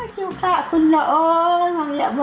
ชิบค่ะคุณน้องอย่าบอกใช้แม่นให้เลยขอโทษช่วยไปไหนแล้วเราก็กับ